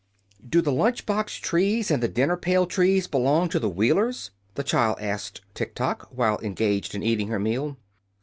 "Do the lunch box trees and the dinner pail trees belong to the Wheelers?" the child asked Tiktok, while engaged in eating her meal.